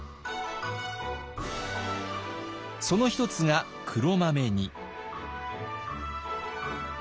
その一つが黒豆煮。